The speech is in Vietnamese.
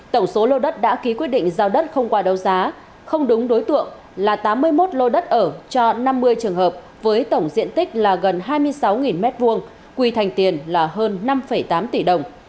tổng số lô đất đã ký quyết định giao đất không qua đấu giá không đúng đối tượng là tám mươi một lô đất ở cho năm mươi trường hợp với tổng diện tích là gần hai mươi sáu m hai quy thành tiền là hơn năm tám tỷ đồng